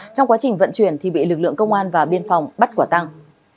trong quá trình vận chuyển bị lực lượng công an và biên phòng bắt quả thang